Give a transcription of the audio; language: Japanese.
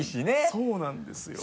そうなんですよ。